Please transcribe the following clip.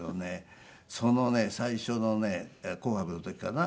そのね最初のね『紅白』の時かな。